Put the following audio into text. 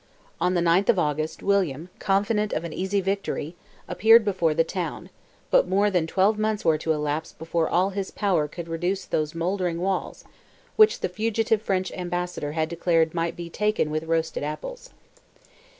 On the 9th of August, William, confident of an easy victory, appeared before the town, but more than twelve months were to elapse before all his power could reduce those mouldering walls, which the fugitive French ambassador had declared "might be taken with roasted apples."